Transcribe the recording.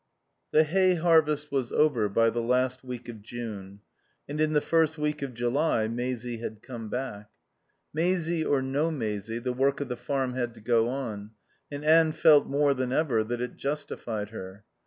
iv The hay harvest was over by the last week of June, and in the first week of July Maisie had come back. Maisie or no Maisie, the work of the farm had to go on; and Anne felt more than ever that it justified her.